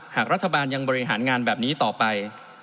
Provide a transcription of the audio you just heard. หากรัฐบาลยังบริหารงานแบบนี้ต่อไป